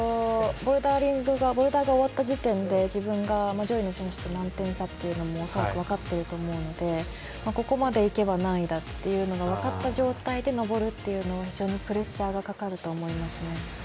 ボルダーが終わった時点で自分が上位の選手と何点差っていうのも分かっていると思うのでここまでいけば何位だと分かった状態で登るっていうのは非常にプレッシャーがかかると思いますね。